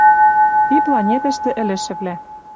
Ти планетӹштӹ ӹлӹшӹвлӓ